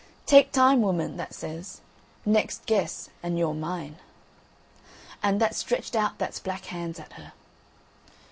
"Take time, woman," that says; "next guess, and you're mine." And that stretched out that's black hands at her.